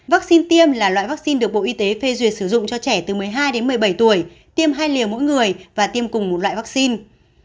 vaccine tiêm là loại vaccine được bộ y tế phê duyệt sử dụng cho trẻ từ một mươi hai đến một mươi bảy tuổi tiêm hai liều mỗi người và tiêm cùng một loại vaccine